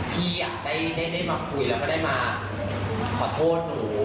พี่ได้มาคุยแล้วก็ได้มาขอโทษหนู